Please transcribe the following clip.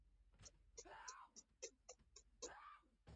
د واکمنې طبقې د مړولو او هي اثارو پنځولو کې رول ولوباوه.